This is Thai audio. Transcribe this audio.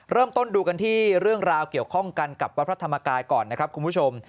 เริ่มต้นดูกันที่เรื่องราวเกี่ยวข้องกันกับวัดพระธรรมกายก่อนนะครับคุณผู้ชม